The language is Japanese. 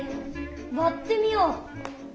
わってみよう。